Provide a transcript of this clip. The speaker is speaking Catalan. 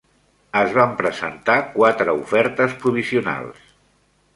Es van presentar quatre ofertes provisionals.